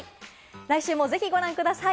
来週もぜひご覧ください。